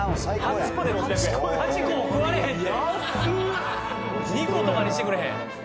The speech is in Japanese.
８個も食われへんて安っ２個とかにしてくれへん？